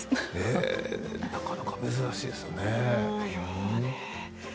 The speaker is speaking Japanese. なかなか珍しいですよね。